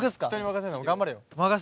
頑張れよ。